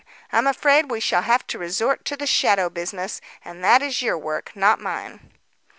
I'm afraid we shall have to resort to the shadow business and that is your work, not mine."